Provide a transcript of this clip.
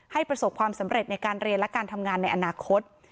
ประสบความสำเร็จในการเรียนและการทำงานในอนาคต